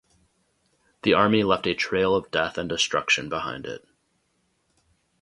The Army left a trail of death and destruction behind it.